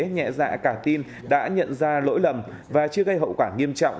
nhẹ dạ cả tin đã nhận ra lỗi lầm và chưa gây hậu quả nghiêm trọng